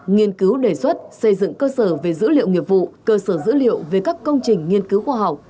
nghiên cứu đề xuất xây dựng cơ sở về dữ liệu nghiệp vụ cơ sở dữ liệu về các công trình nghiên cứu khoa học